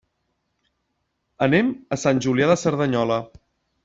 Anem a Sant Julià de Cerdanyola.